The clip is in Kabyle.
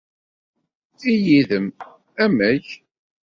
I yid-m, amek?